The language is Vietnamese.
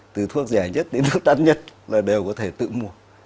từ thuốc rẻ nhất đến thuốc đắt nhất là đều có thể tự mua